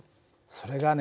それがね